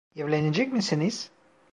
Evlenecek misiniz?